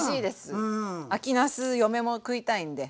秋なす嫁も食いたいんで。